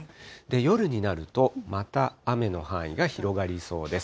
夜になると、また雨の範囲が広がりそうです。